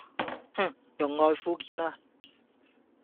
啍用愛膚堅啦